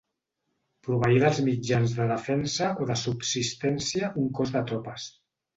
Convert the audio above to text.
Proveí dels mitjans de defensa o de subsistència un cos de tropes.